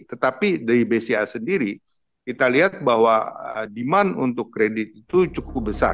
tetapi dari bca sendiri kita lihat bahwa demand untuk kredit itu cukup besar